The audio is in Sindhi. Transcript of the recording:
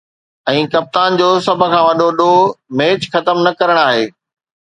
۽ ڪپتان جو سڀ کان وڏو ”ڏوهه“ ميچ ختم نه ڪرڻ آهي.